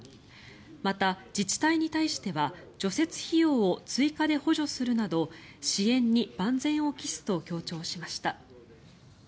また、自治体に対しては除雪費用を追加で補助するなど支援に万全を期すと強調しました。